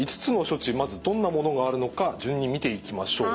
まずどんなものがあるのか順に見ていきましょう。